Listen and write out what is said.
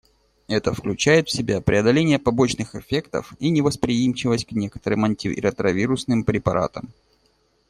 Это включает в себя преодоление побочных эффектов и невосприимчивость к некоторым антиретровирусным препаратам.